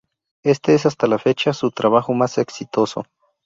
Éste es hasta la fecha su trabajo más exitoso.